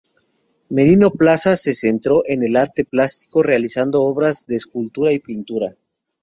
Marino Plaza se centró en el arte plástico, realizando obras de escultura y pintura.